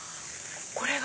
これが。